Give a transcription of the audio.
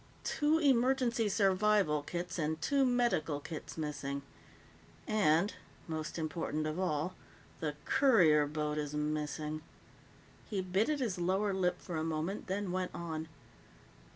Two emergency survival kits and two medical kits missing. And most important of all the courier boat is missing." He bit at his lower lip for a moment, then went on.